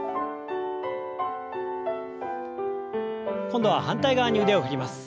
今度は反対側に腕を振ります。